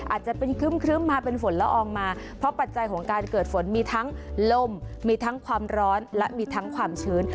อาจจะเป็นครึ้มมาเป็นฝนละอองมาเพราะปัจจัยของการเกิดฝนมีทั้งลมมีทั้งความร้อนและมีทั้งความชื้น